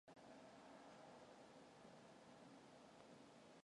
Юу ч гэсэн бригадын төвд суу гэхээр нь бухимдсан хэрэг.